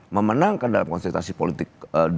memenangkan dalam konsentrasi politik